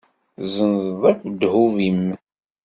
Tezzenzeḍ akk ddhub-im.